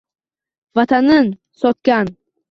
Vatanin sotgan